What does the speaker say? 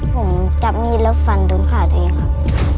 ผมจับมีดแล้วฟันโดนขาตัวเองครับ